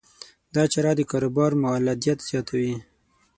دا چاره د کاروبار مولدیت زیاتوي.